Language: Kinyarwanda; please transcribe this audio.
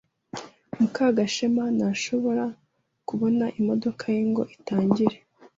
Mukagashema ntashobora kubona imodoka ye ngo itangire.